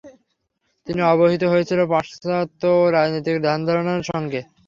তিনি অবহিত হয়েছিল পাশ্চাত্য রাজনৈতিক ধ্যানধারণার সঙ্গে।